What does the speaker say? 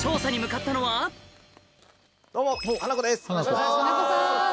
お願いします。